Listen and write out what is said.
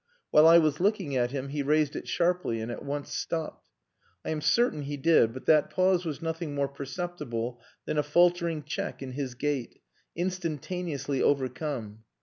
While I was looking at him he raised it sharply, and at once stopped. I am certain he did, but that pause was nothing more perceptible than a faltering check in his gait, instantaneously overcome.